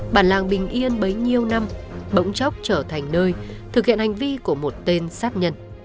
bản làng bình yên bấy nhiêu năm bỗng chốc trở thành nơi thực hiện hành vi của một tên sát nhật